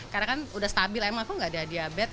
karena kan udah stabil emang aku gak ada diabetes